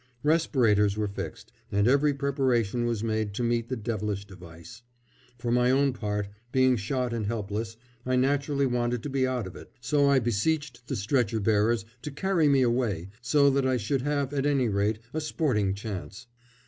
Respirators were fixed, and every preparation was made to meet the devilish device. For my own part, being shot and helpless, I naturally wanted to be out of it, so I beseeched the stretcher bearers to carry me away, so that I should have, at any rate, a sporting chance.